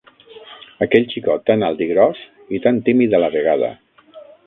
Aquell xicot tan alt i gros i tan tímid a la vegada